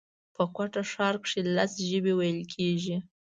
په کوټه ښار کښي لس ژبي ویل کېږي